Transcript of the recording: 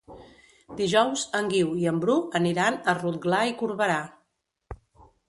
Dijous en Guiu i en Bru aniran a Rotglà i Corberà.